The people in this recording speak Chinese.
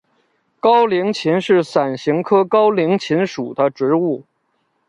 空棱芹是伞形科空棱芹属的植物。